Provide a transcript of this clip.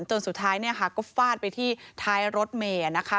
จนสุดท้ายเนี่ยค่ะก็ฟาดไปที่ท้ายรถเมย์นะคะ